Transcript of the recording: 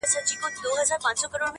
په سبب د لېونتوب دي پوه سوم یاره,